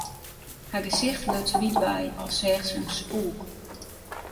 Har gesicht luts wyt wei, as seach se in spûk.